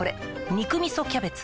「肉みそキャベツ」